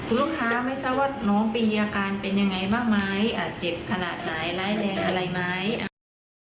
ลูกค้าไม่รู้ว่าน้องเป็นยังไงบ้างไหมเจ็บขนาดไหนร้ายแรงอะไรไหม